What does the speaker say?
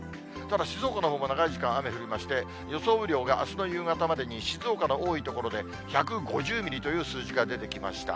ただ静岡のほうも長い時間、雨降りまして、予想雨量があすの夕方までに、静岡の多い所で１５０ミリという数字が出てきました。